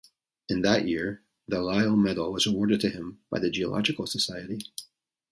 In that year the Lyell Medal was awarded to him by the Geological Society.